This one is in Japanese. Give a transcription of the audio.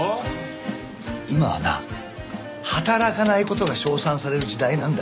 今はな働かない事が称賛される時代なんだよ。